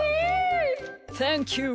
サンキュー。